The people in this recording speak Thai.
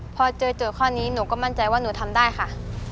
พอเจอโจทย์ข้อนี้หนูก็มั่นใจว่าหนูทำได้ค่ะ